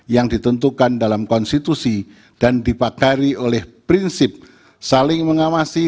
yang ditentukan dalam konstitusi dan dipakari oleh prinsip saling mengawasi